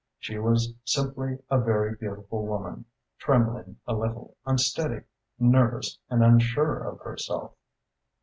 She was simply a very beautiful woman, trembling a little, unsteady, nervous and unsure of herself.